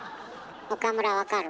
岡村分かる？